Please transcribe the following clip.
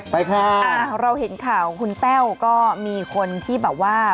ไปค่ะอ่าเราเห็นข่าวคุณแต้วก็มีคนที่แบบว่า